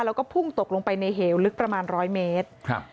แล้วก็พุ่งตกลงไปในเหวลึกประมาณร้อยเมตรครับ